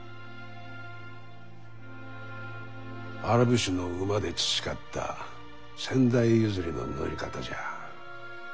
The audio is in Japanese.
アラブ種の馬で培った先代譲りの乗り方じゃ。